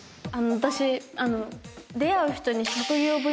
私。